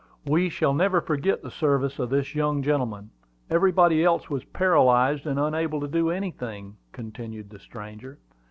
"We shall never forget the service of this young gentleman. Everybody else was paralyzed, and unable to do anything," continued the stranger.